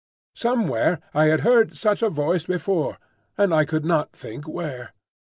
Somewhere I had heard such a voice before, and I could not think where.